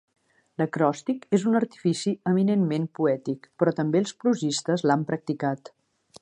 L'acròstic és un artifici eminentment poètic, però també els prosistes l'han practicat.